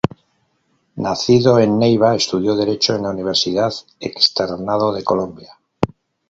Nacido en Neiva, estudió derecho en la Universidad Externado de Colombia.